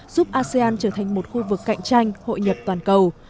giúp asean trở thành một khu vực cạnh tranh hội nhập toàn cầu